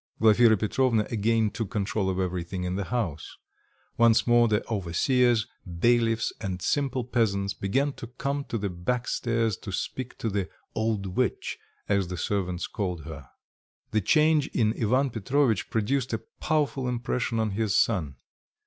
Glafira Petrovna again took control of everything in the house; once more the overseers, bailiffs and simple peasants began to come to the back stairs to speak to the "old witch," as the servants called her. The change in Ivan Petrovitch produced a powerful impression on his son.